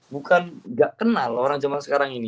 bukan nggak kenal orang zaman sekarang ini